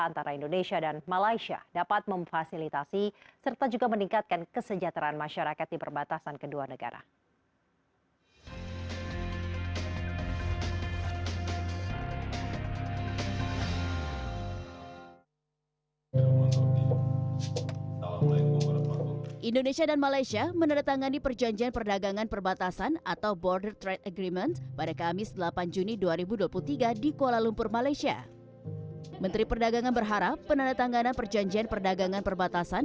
antara indonesia dan malaysia dapat memfasilitasi serta juga meningkatkan kesejahteraan masyarakat di perbatasan kedua negara